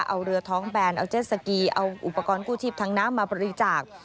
เอาเรือท้องแบนเอาเจ็ดสกีเอาอุปกรณ์กู้ชีพทางน้ำมาบริจาค